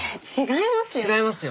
違いますよ。